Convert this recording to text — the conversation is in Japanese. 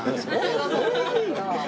それはいいなあ。